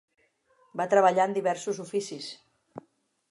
Va treballar en diversos oficis.